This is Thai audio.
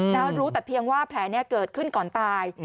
แล้วรู้แต่เพียงว่าแผลนี้เกิดขึ้นก่อนตาย